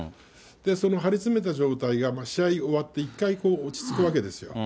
その張り詰めた状態が、試合終わって一回落ち着くわけですよ。